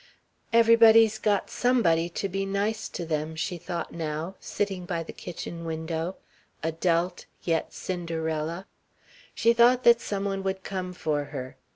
"Everybody's got somebody to be nice to them," she thought now, sitting by the kitchen window, adult yet Cinderella. She thought that some one would come for her.